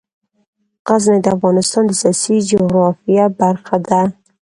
غزني د افغانستان د سیاسي جغرافیه برخه ده.